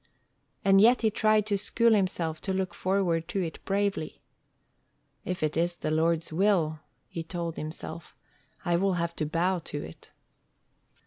And yet he tried to school himself to look forward to it bravely. "If it is the Lord's will," he told himself, "I will have to bow to it."